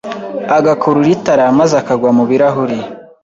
agakurura itara maze akagwa mu birahuri